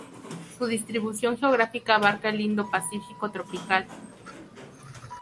Su distribución geográfica abarca el Indo-Pacífico tropical.